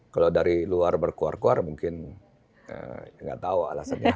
kalau dari luar berkuar kuar mungkin nggak tahu alasannya